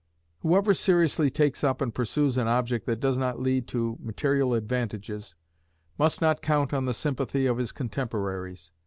Whoever seriously takes up and pursues an object that does not lead to material advantages, must not count on the sympathy of his contemporaries.